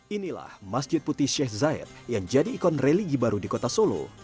inilah masjid putih sheikh zayed yang jadi ikon religi baru di kota solo